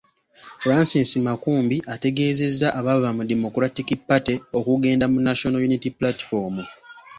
Francis Makumbi ategeezezza abaava mu Democratic Party okugenda mu National Unity Platform.